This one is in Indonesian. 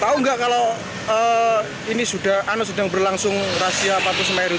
tahu nggak kalau ini sudah anus sudah berlangsung razia patus merutu